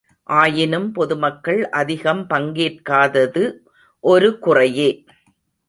ஆயினும் பொதுமக்கள் அதிகம் பங்கேற்காதது ஒரு குறையே!